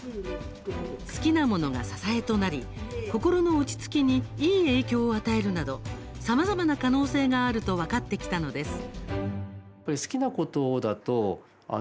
好きなものが支えとなり心の落ち着きにいい影響を与えるなどさまざまな可能性があると分かってきたのです。